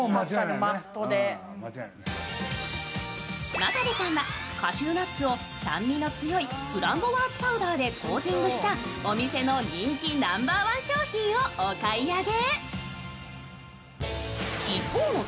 真壁さんはカシューナッツを酸味の強いフランボワーズパウダーでコーティングしたお店のナンバーワン商品をお買い上げ。